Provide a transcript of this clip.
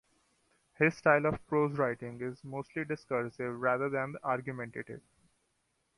His style of prose writing is mostly discursive rather than argumentative.